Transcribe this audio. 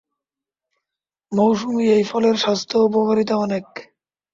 মৌসুমি এই ফলের স্বাস্থ্য উপকারিতা অনেক।